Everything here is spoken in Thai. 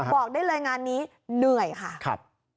บอกได้เลยงานนี้เหนื่อยค่ะ